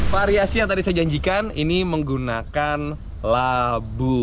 variasi yang tadi saya janjikan ini menggunakan labu